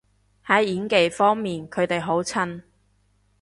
喺演技方面佢哋好襯